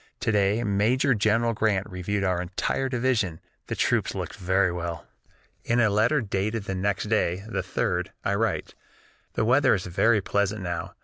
To day Major General Grant reviewed our entire division; the troops looked very well." In a letter dated the next day, the 3d, I write: "The weather is very pleasant now.